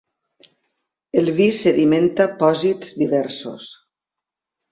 El vi sedimenta pòsits diversos.